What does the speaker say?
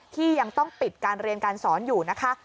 ที่ยังต้องปิดการเรียนการสอนอยู่นะคะ